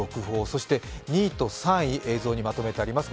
そして２位と３位、映像にまとめてあります。